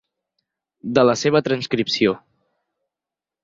De la seva transcripció.